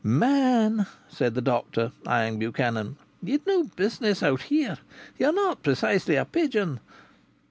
"Man," said the doctor, eyeing Buchanan. "Ye'd no business out here. Ye're not precisely a pigeon."